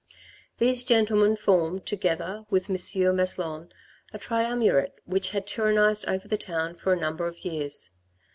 These gentlemen formed, together with M. Maslon, a triumirate which had tyrannised over the town for a number of years.